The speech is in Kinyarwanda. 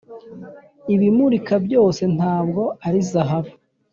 ibimurika byose ntabwo ari zahabu.